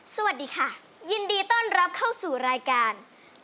สวัสดีค่ะยินดีต้อนรับเข้าสู่รายการ